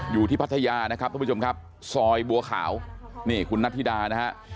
พัทยานะครับทุกผู้ชมครับซอยบัวขาวนี่คุณนัทธิดานะฮะ